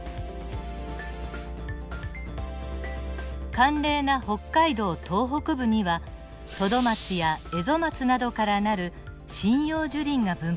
寒冷な北海道東北部にはトドマツやエゾマツなどから成る針葉樹林が分布しています。